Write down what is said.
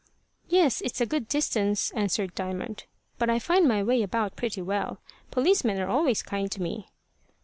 "Yes, it's a good distance," answered Diamond; "but I find my way about pretty well. Policemen are always kind to me."